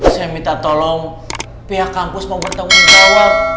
saya minta tolong pihak kampus mau bertanggung jawab